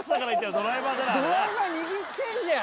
ドライバー握ってんじゃん。